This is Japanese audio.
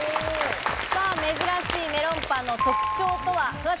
珍しいメロンパンの特徴とは？